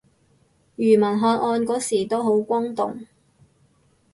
庾文翰案嗰時都好轟動